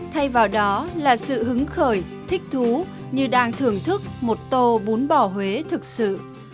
thay vào đó là sự hứng khởi thích thú như đang thưởng thức một tô bún bò huế thực sự